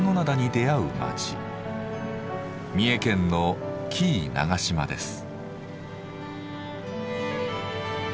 三重県の紀伊長島です。